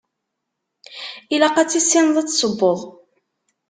Ilaq ad tissineḍ ad tessewweḍ.